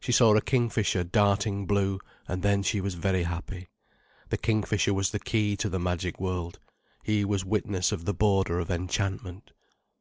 She saw a kingfisher darting blue—and then she was very happy. The kingfisher was the key to the magic world: he was witness of the border of enchantment.